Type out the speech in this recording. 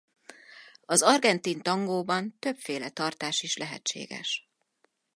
Az argentin tangóban többféle tartás is lehetséges.